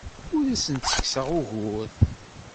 Ur asen-ttekkseɣ ugur.